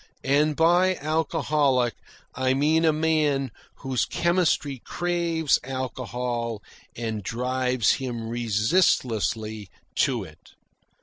And by alcoholic I mean a man whose chemistry craves alcohol and drives him resistlessly to it.